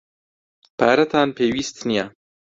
پارەتان پێویست نییە.